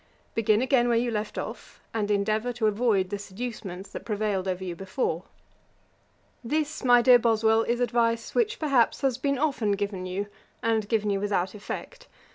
Begin again where you left off, and endeavour to avoid the seducements that prevailed over you before. 'This, my dear Boswell, is advice which, perhaps, has been often given you, and given you without effect.